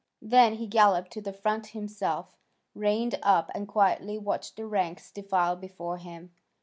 Then he galloped to the front himself, reined up, and quietly watched the ranks defile before him.